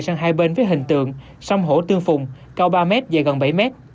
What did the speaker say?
sang hai bên với hình tượng sông hổ tương phùng cao ba m và gần bảy m